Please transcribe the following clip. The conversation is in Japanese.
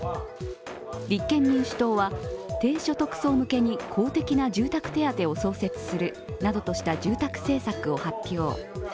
立憲民主党は低所得層向けに公的な住宅手当を創設するなどとした住宅政策を発表。